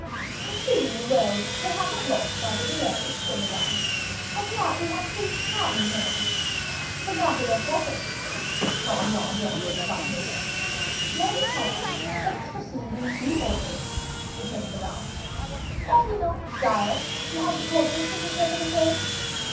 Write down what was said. "Exceedingly well! they have not lost by the delay," said Madame, "and now we have three charming names. But now for their portraits." Saint Aignan again made a slight movement. "Nay, comte, let us proceed in due order," returned Madame. "Ought we not, sire, to have the portraits of the shepherdesses?"